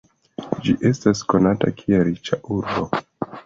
Ĝi estas konata kiel riĉa urbo.